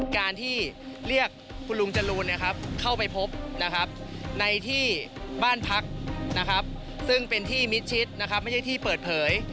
การที่เรียกคุณลุงจรูลเข้าไปพบในที่บ้านพักซึ่งเป็นที่มิจิตรไม่ใช่ที่เปิดเผย